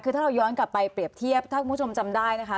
คือถ้าเราย้อนกลับไปเปรียบเทียบถ้าคุณผู้ชมจำได้นะคะ